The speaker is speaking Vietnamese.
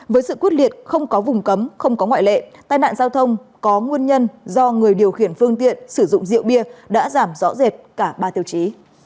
với sự quyết liệt không có vùng cấm không có ngoại lệ tai nạn giao thông có nguyên nhân do người điều khiển phương tiện sử dụng rượu bia đã giảm rõ rệt cả ba tiêu chí